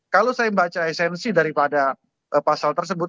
kalau saya baca esensi daripada pasal tersebut